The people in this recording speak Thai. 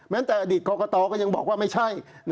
แต่อดีตกรกตก็ยังบอกว่าไม่ใช่